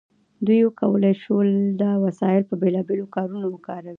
دوی وکولی شول دا وسایل په بیلابیلو کارونو وکاروي.